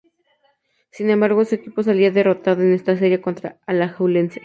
Sin embargo, su equipo saldría derrotado en esta serie contra Alajuelense.